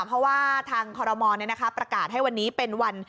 เพราะว่าทางคอรมอลประกาศให้วันนี้เป็นวัน